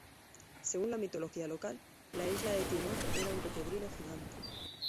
Según la mitología local, la isla de Timor era un cocodrilo gigante.